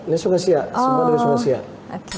ini sungai siak semua dari sungai siak